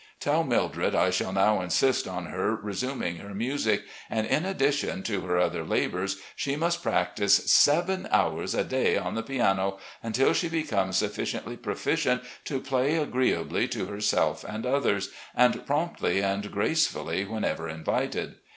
Tell Mildred I shall now insist on her resuming her music, and, in addition to her other labours, she must practise seven hours a day on the piano, until she becomes suffi ciently proficient to play agreeably to herself and others, and promptly and gracefully, whenever invited.